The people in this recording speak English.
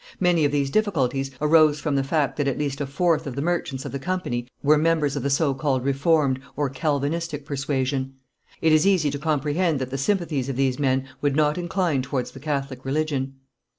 Many of these difficulties arose from the fact that at least a fourth of the merchants of the company were members of the so called reformed, or Calvinistic persuasion. It is easy to comprehend that the sympathies of these men would not incline towards the Catholic religion.